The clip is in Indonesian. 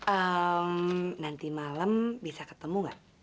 eh nanti malam bisa ketemu nggak